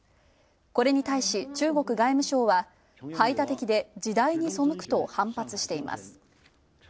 これに対し、中国外務省は排他的で時代に背くと反発しています。